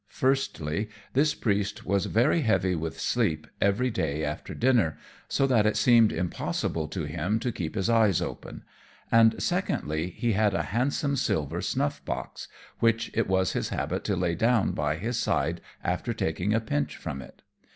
Firstly, this Priest was very heavy with sleep every day after dinner, so that it seemed impossible to him to keep his eyes open; and secondly, he had a handsome silver snuff box, which it was his habit to lay down by his side after taking a pinch from it.